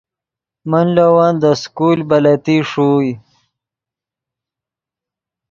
من لے ون دے سکول بلتی ݰوئے